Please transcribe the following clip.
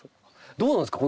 どうなんですか？